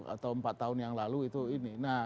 atau empat tahun yang lalu itu ini